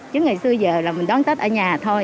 chứ ngày xưa giờ là mình đón tết ở nhà thôi